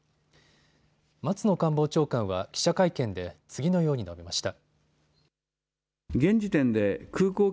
松野官房長官は記者会見で次のように述べました。